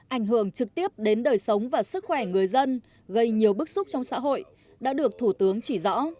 ảnh hưởng trực tiếp đến đời sống và sức khỏe người dân gây nhiều bức xúc trong xã hội đã được thủ tướng chỉ rõ